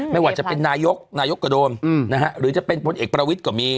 ไม่ว่าจะเป็นนายกนายกก็โดนหรือจะเป็นพลเอกประวิทย์ก็มี